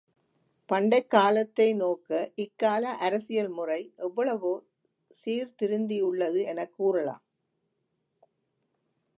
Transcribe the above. பண்டைக் காலத்தை நோக்க, இக்கால அரசியல் முறை எவ்வளவோ சீர்திருந்தியுள்ளது எனக் கூறலாம்.